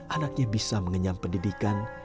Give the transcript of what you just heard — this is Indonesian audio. anaknya bisa mengenyam pendidikan